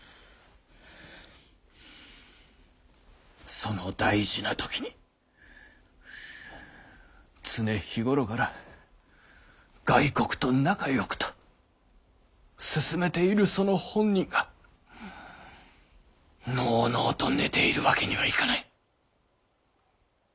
その大事な時に常日頃から外国と仲よくと勧めているその本人がのうのうと寝ているわけにはいかない。